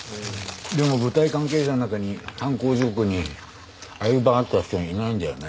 でも舞台関係者の中に犯行時刻にアリバイがあった人はいないんだよね。